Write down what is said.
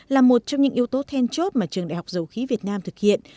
là một trong những yếu tố then chốt mà trường đại học dầu khí việt nam thực hiện